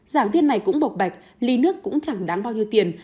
giảng viên này cũng bộc bạch ly nước cũng chẳng đáng bao nhiêu tiền